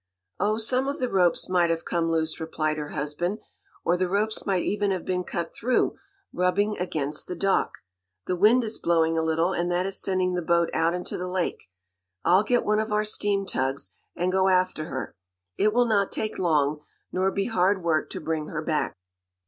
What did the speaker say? "Oh, some of the ropes might have come loose," replied her husband. "Or the ropes might even have been cut through, rubbing against the dock. The wind is blowing a little, and that is sending the boat out into the lake. I'll get one of our steam tugs, and go after her. It will not take long nor be hard work to bring her back."